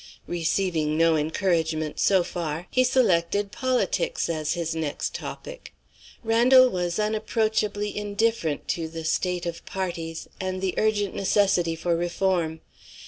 Receiving no encouragement so far, he selected politics as his next topic. Randal was unapproachably indifferent to the state of parties, and the urgent necessity for reform.